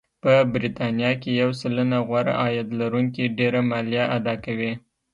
په بریتانیا کې یو سلنه غوره عاید لرونکي ډېره مالیه اداکوي